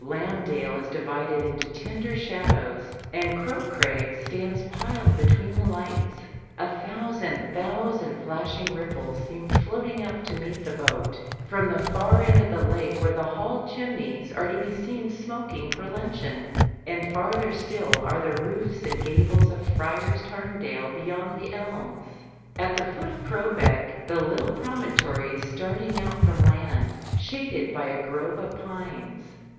Lambdale is divided into tender shadows, and Crow Crag stands piled between the lights. A thousand, thousand flashing ripples seem floating up to meet the boat from the far end of the lake where the Hall chimneys are to be seen smoking for luncheon, and farther still are the roofs and gables of Friars Tamdale beyond the elms. At the foot of Crowbeck the little promontory is starting out from land, shaded by a grove of pines.